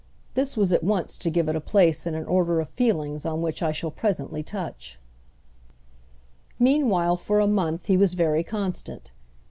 This was at once to give it a place in an order of feelings on which I shall presently touch. Meanwhile, for a month, he was very constant.